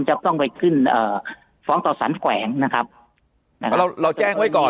จะต้องไปขึ้นเอ่อฟ้องต่อสารแขวงนะครับเราเราแจ้งไว้ก่อน